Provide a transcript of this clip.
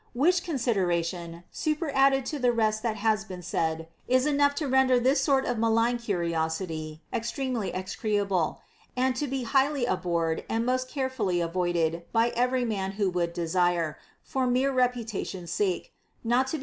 Which consideration, superadded to the rest that has been said, is ΓΝΤΟ THINGS IMPERTINENT. 44,^ enough to render this sort of malignant curiosity extremely execrable, and to be highly abhorred and most carefully avoided by every man who would desire, for mere reputa tion's sake, not to b ?